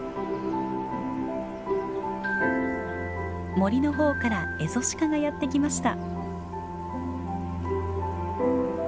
森の方からエゾシカがやって来ました。